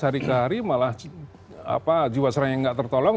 hari ke hari malah jiwasraya yang tidak tertolong